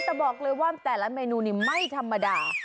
แต่บอกเลยว่าแต่ละเมนูนี้ไม่ธรรมดา